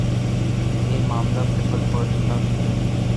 یہی معاملہ پیپلزپارٹی کا بھی ہے۔